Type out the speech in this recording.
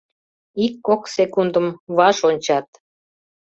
Ик-кок секундым ваш ончат.